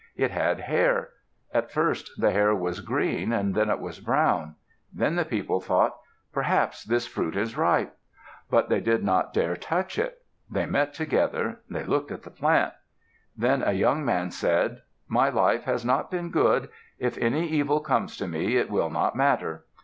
It had hair. At first the hair was green; then it was brown. Then the people thought, "Perhaps this fruit is ripe." But they did not dare touch it. They met together. They looked at the plant. Then a young man said, "My life has not been good. If any evil comes to me, it will not matter."